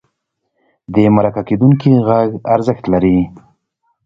د مرکه کېدونکي غږ ارزښت لري.